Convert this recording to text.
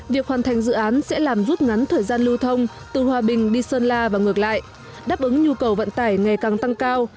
việc hoàn thành dự án sẽ làm rút ngắn thời gian lưu thông từ hòa bình đi sơn la và ngược lại đáp ứng nhu cầu vận tải ngày càng tăng cao